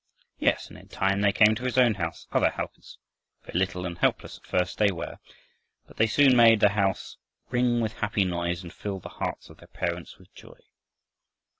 Yes, and in time there came to his own house other helpers very little and helpless at first they were but they soon made the house ring with happy noise and filled the hearts of their parents with joy.